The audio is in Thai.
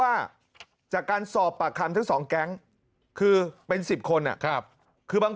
ว่าจากการสอบปากคำทั้งสองแก๊งคือเป็น๑๐คนคือบาง